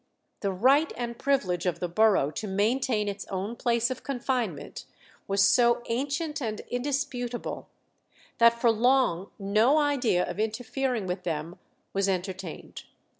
The right and privilege of the borough to maintain its own place of confinement was so "ancient and indisputable," that for long no idea of interfering with them was entertained.